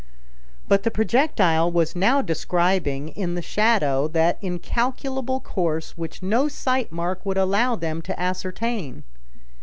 But the projectile was now describing in the shadow that incalculable course which no sight mark would allow them to ascertain.